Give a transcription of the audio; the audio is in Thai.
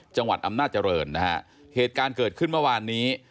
จังหวัดอำนาจริงนะฮะเหตุการณ์เกิดขึ้นเมื่อวานนี้